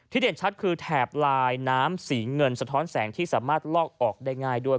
เด่นชัดคือแถบลายน้ำสีเงินสะท้อนแสงที่สามารถลอกออกได้ง่ายด้วย